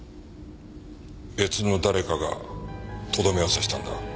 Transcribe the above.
別の誰かがとどめを刺したんだ。